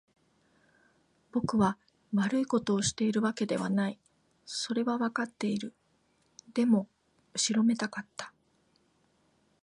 僕は悪いことをしているわけではない。それはわかっている。でも、後ろめたかった。